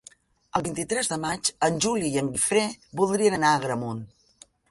El vint-i-tres de maig en Juli i en Guifré voldrien anar a Agramunt.